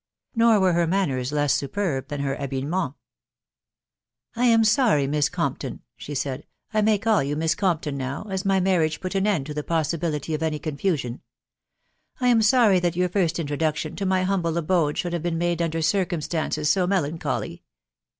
..• Nor were her manners less superb than her habiliments. " I am sorry, Miss Compton," she said .... "I may call you Miss Compton now, as my marriage put an end to the possibility of any confusion. ... I am sorry that your first introduction to my humble abode should have been made under circumstances so melancholy.